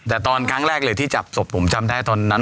แต่ตอนครั้งแรกเลยที่จับศพผมจำได้ตอนนั้น